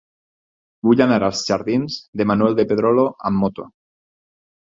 Vull anar als jardins de Manuel de Pedrolo amb moto.